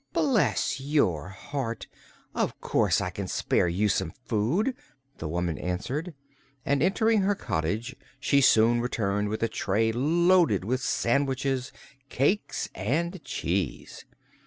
"Bless your heart! Of course I can spare you some food," the woman answered, and entering her cottage she soon returned with a tray loaded with sandwiches, cakes and cheese.